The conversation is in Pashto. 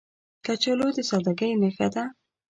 کچالو د سادګۍ نښه ده